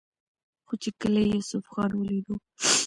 خو چې کله يې يوسف خان وليدو